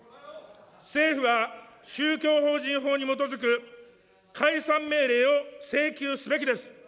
政府は、宗教法人法に基づく解散命令を請求すべきです。